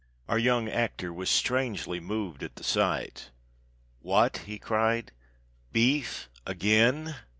Our young actor was strangely moved at the sight. "What?" he cried. "Beef again?